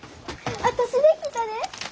私できたで！